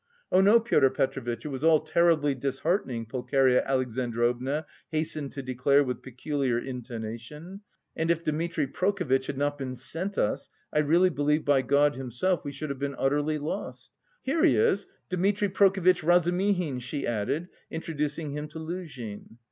"Oh, no, Pyotr Petrovitch, it was all terribly disheartening," Pulcheria Alexandrovna hastened to declare with peculiar intonation, "and if Dmitri Prokofitch had not been sent us, I really believe by God Himself, we should have been utterly lost. Here, he is! Dmitri Prokofitch Razumihin," she added, introducing him to Luzhin.